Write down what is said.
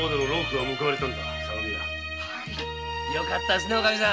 よかったですねおかみさん。